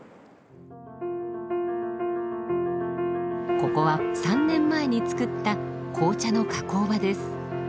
ここは３年前に造った紅茶の加工場です。